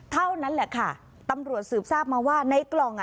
เท่านั้นแหละค่ะตำรวจสืบทราบมาว่าในกล่องอ่ะ